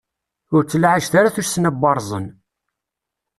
Ur ttlaɛej ara tussna n waṛẓen!